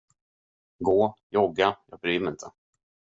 Gå, jogga, jag bryr mig inte.